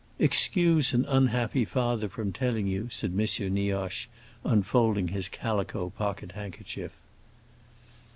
"Excuse an unhappy father from telling you," said M. Nioche, unfolding his calico pocket handkerchief.